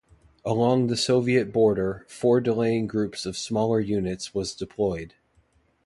Along the Soviet border four delaying groups of smaller units was deployed.